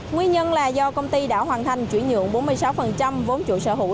nguyên nhân là do công ty đã hoàn thành chuyển nhượng bốn mươi sáu vốn chủ sở hữu